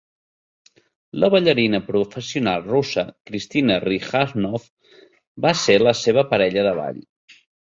La ballarina professional russa Kristina Rihanoff va ser la seva parella de ball.